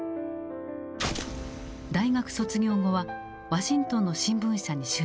大学卒業後はワシントンの新聞社に就職。